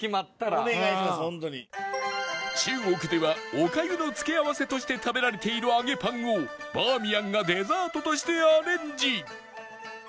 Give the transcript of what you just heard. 中国ではおかゆの付け合わせとして食べられている揚げパンをバーミヤンがデザートとしてアレンジ